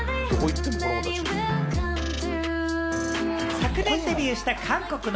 昨年デビューした韓国の